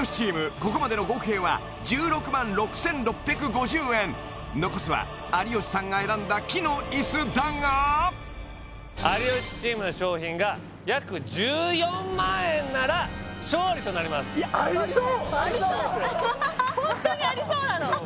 ここまでの合計は１６万６６５０円残すは有吉さんが選んだ木の椅子だが有吉チームの商品が約１４万円なら勝利となりますありそうホントにありそうなのありそうです